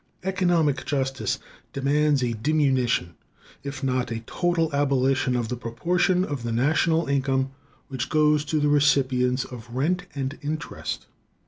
Economic justice demands a diminution, if not a total abolition, of the proportion of the national income which goes to the recipients of rent and interest.